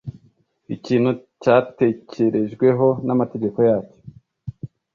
Ikintu cyatekerejweho n'amategeko yacyo